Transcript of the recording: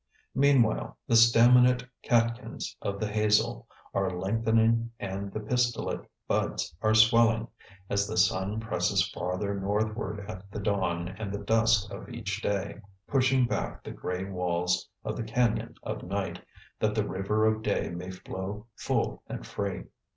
Meanwhile the staminate catkins of the hazel are lengthening and the pistillate buds are swelling, as the sun presses farther northward at the dawn and the dusk of each day, pushing back the gray walls of the cañon of night, that the river of day may flow full and free.